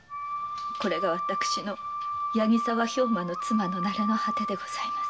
これが私の八木沢兵馬の妻のなれの果てでございます。